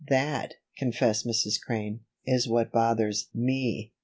"That," confessed Mrs. Crane, "is what bothers me."